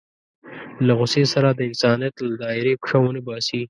له غوسې سره د انسانيت له دایرې پښه ونه باسي.